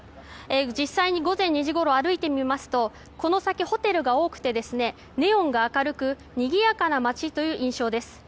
実際に午前２時ごろ歩いてみますとこの先、ホテルが多くてネオンが明るくにぎやかな街という印象です。